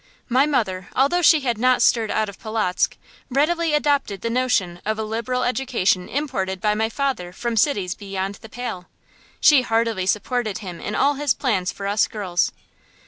My mother, although she had not stirred out of Polotzk, readily adopted the notion of a liberal education imported by my father from cities beyond the Pale. She heartily supported him in all his plans for us girls.